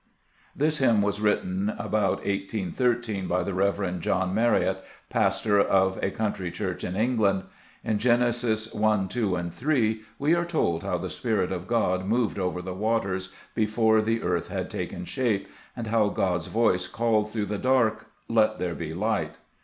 This hymn was written about 1813 by the Rev. John Marriott, pastor of a country church in England. In Genesis i, ii, and iii, we are told how the Spirit of God moved over the waters, before the earth had taken shape, and how God's voice called through the dark, " Let there be light."